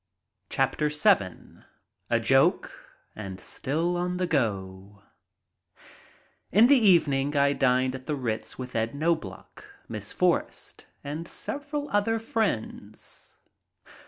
I LOVE DOGS VII A JOKE AND STILL ON THE GO IN the evening I dined at the Ritz with Ed Knobloch, Miss Forrest, and several other friends.